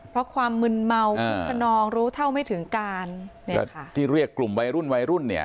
เพราะความมึนเมาคึกขนองรู้เท่าไม่ถึงการเนี่ยนะคะที่เรียกกลุ่มวัยรุ่นวัยรุ่นเนี่ย